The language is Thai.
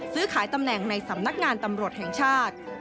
ซื้อขายตำแหน่งในสำนักงานตำรวจแห่งชาติ